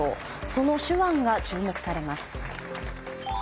その手腕が注目されます。